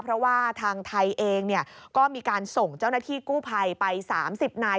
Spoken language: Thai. เพราะว่าทางไทยเองก็มีการส่งเจ้าหน้าที่กู้ภัยไป๓๐นาย